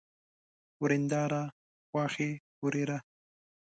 ورېنداره ، خواښې، ورېره